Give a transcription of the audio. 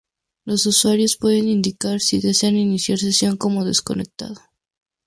Los usuarios pueden indicar si desean iniciar sesión como desconectado.